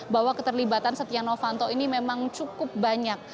bahwa keterlibatan setia novanto ini memang cukup banyak